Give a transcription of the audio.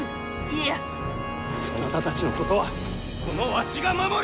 そなたたちのことはこのわしが守る！